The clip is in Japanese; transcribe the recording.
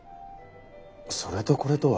それとこれとは。